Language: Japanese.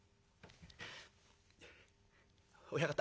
「親方